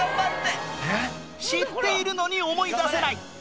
知っているのに思い出せない